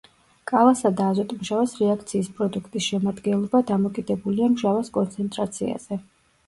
კალასა და აზოტმჟავას რეაქციის პროდუქტის შემადგენლობა დამოკიდებულია მჟავას კონცენტრაციაზე.